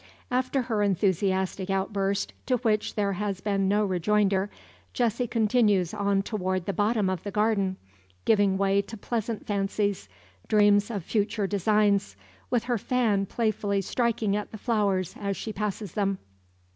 After her enthusiastic outburst, to which there has been no rejoinder, Jessie continues on toward the bottom of the garden, giving way to pleasant fancies, dreams of future designs, with her fan playfully striking at the flowers as she passes them.